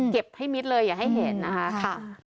เก็บให้มิตรเลยอย่าให้เห็นนะคะ